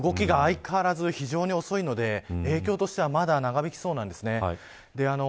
動きは相変わらず非常に遅いので影響としてはまだ長引きそうです。